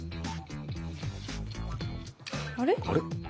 あれ？